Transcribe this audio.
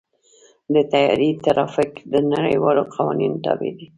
د طیارې ټرافیک د نړیوالو قوانینو تابع دی.